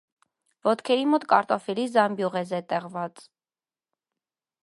Ոտքերի մոտ կարտոֆիլի զամբյուղ է զետեղված։